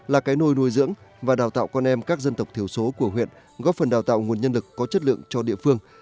là cái nôi nuôi dưỡng và đào tạo con em các dân tộc thiểu số của huyện góp phần đào tạo nguồn nhân lực có chất lượng cho địa phương